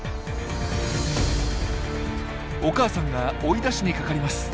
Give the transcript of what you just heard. お母さんが追い出しにかかります。